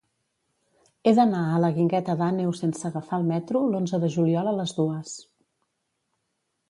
He d'anar a la Guingueta d'Àneu sense agafar el metro l'onze de juliol a les dues.